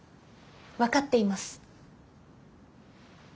分かっています。